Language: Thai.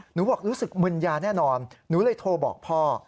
รู้สึกมึนยาแน่นอนหนูเลยโทรบอกพ่อ